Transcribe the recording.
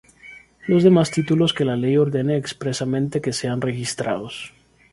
Los demás títulos que la ley ordene expresamente que sean registrados.